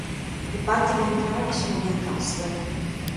Le parti ventrali sono biancastre.